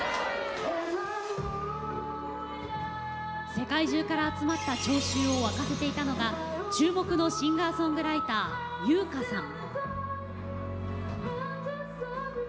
世界中から集まった聴衆を沸かせていたのが注目のシンガーソングライター由薫さん。